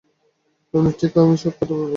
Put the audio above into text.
আপনি ঠিক, আমি সব করতে পারবো।